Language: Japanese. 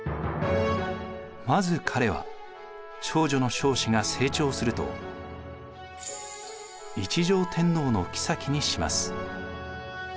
まず彼は長女の彰子が成長すると一条天皇の后にします。